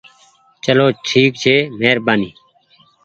چلو ٺيڪ ڇي مهربآني ۔